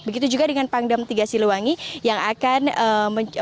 begitu juga dengan pangdam tiga siluwangi yang akan menurunkan